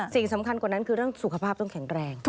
สิ่งสำคัญกว่านั้นคือเรื่องสุขภาพต้องแข็งแรง